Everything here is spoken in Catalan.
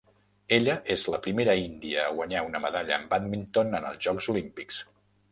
Ella és la primera índia a guanyar una medalla en bàdminton en els Jocs Olímpics.